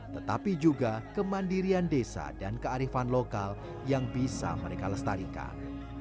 tetapi juga kemandirian desa dan kearifan lokal yang bisa mereka lestarikan